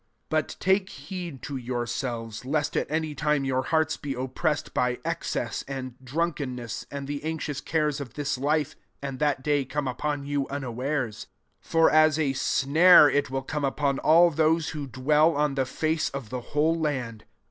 34 '< But take heed to your selves, lest at any tinie your hearts be oppressed by excess, and drunkenness, and the anx ious cares of this life, alid that day come upon you unawares. 35 For as a snare it will come upon all those who dwell on the face of the whole land.